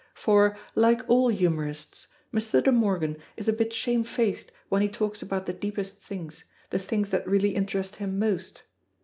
For, like all humorists, Mr. De Morgan is a bit shamefaced when he talks about the deepest things, the things that really interest him most.